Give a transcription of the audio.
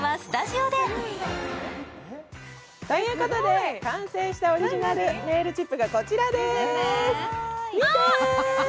ということで完成したオリジナルネイルチップがこちらです。